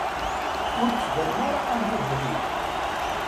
Ur d-tettbanem ara am baba-twen.